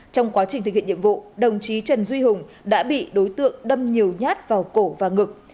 trong quá trình thực hiện nhiệm vụ đồng chí trần duy hùng đã bị đối tượng đâm nhiều nhát vào cổ và ngực